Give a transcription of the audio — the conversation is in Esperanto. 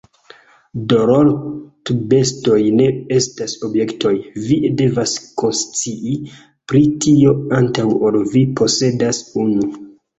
Dorlotbestoj ne estas objektoj, vi devas konscii pri tio antaŭ ol vi posedas unu.